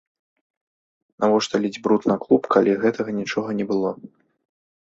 Навошта ліць бруд на клуб, калі гэтага нічога не было?